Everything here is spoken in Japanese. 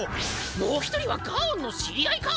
もう一人はガオンの知り合いか？